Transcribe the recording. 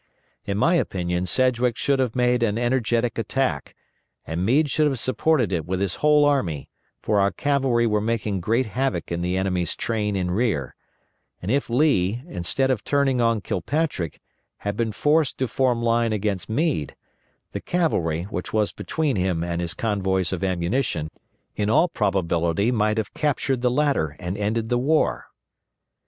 In my opinion Sedgwick should have made an energetic attack, and Meade should have supported it with his whole army, for our cavalry were making great havoc in the enemy's train in rear; and if Lee, instead of turning on Kilpatrick, had been forced to form line against Meade, the cavalry, which was between him and his convoys of ammunition, in all probability might have captured the latter and ended the war.